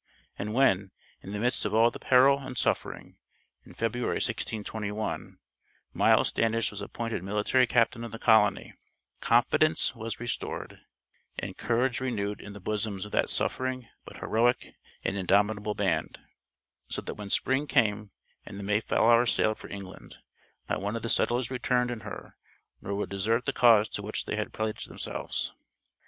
And when, in the midst of all the peril and suffering, in February, 1621, Miles Standish was appointed military captain of the colony, confidence was restored and courage renewed in the bosoms of that suffering but heroic and indomitable band; so that when spring came and the Mayflower sailed for England, not one of the settlers returned in her, nor would desert the cause to which they had pledged themselves.